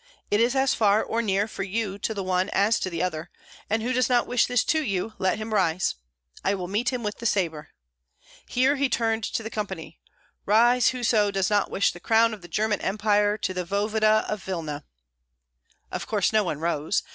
It is as far or near for you to the one as to the other; and who does not wish this to you, let him rise. I will meet him with the sabre." Here he turned to the company: "Rise, whoso does not wish the crown of the German Empire to the voevoda of Vilna!" Of course no one rose.